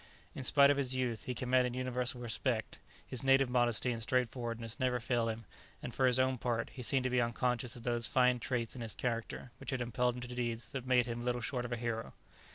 In spite of his youth, he commanded universal respect; his native modesty and straightforwardness never failed him, and for his own part, he seemed to be unconscious of those fine traits in his character which had impelled him to deeds that made him little short of a hero.